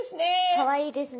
かわいいですね。